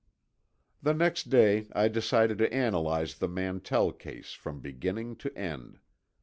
The next day I decided to analyze the Mantell case from beginning to end.